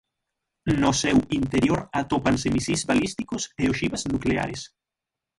No seu interior atópanse misís balísticos e oxivas nucleares.